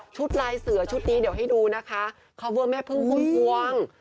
ชุดลายเสือชุดนี้เดี๋ยวให้ดูนะคะแบบไหม้พรึงฮึ้งควงค่วง